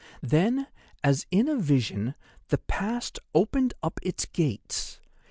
Then, as in a vision, the Past opened up its gates.